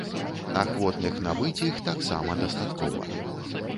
Ахвотных набыць іх таксама дастаткова.